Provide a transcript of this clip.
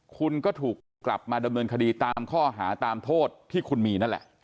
คุณก็ถูกกลับมาดำเนินคดีตามข้อหาตามโทษที่คุณมีนั่นแหละ